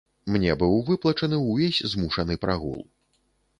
Мне быў выплачаны увесь змушаны прагул.